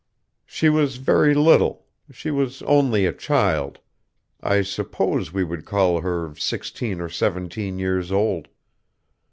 "She was very little. She was only a child. I suppose we would call her sixteen or seventeen years old.